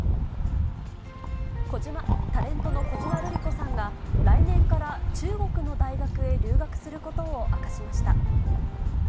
タレントの小島瑠璃子さんが、来年から中国の大学へ留学することを明かしました。